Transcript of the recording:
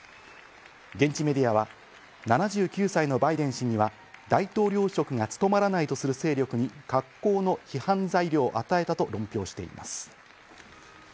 現地メディアは７９歳のバイデン氏には大統領職が務まらないとする勢力に格好の批判材料を与えたと論評しています。